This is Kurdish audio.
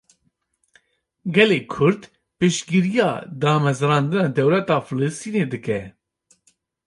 Gelê Kurd, piştgiriya damezrandina dewleta Filistînê dike